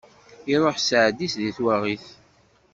Iruḥ sseɛd-is di twaɣit.